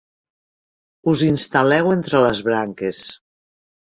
Us instal·leu entre les branques.